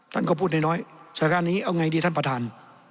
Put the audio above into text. ท่านก็พูดน้อยสถานการณ์นี้เอาไงดีท่านประธาน